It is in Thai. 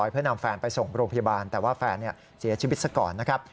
เพื่อนำแฟนไปส่งโรงพยาบาลแต่ว่าแฟนเสียชีวิตซะก่อนนะครับ